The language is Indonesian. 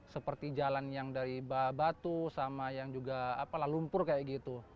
seperti jalan yang dari batu sama yang juga lumpur kayak gitu